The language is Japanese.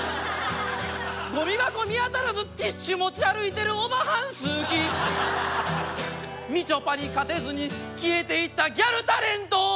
ゴミ箱見当たらずティッシュ持ち歩いてるオバハン好きみちょぱに勝てずに消えていったギャルタレント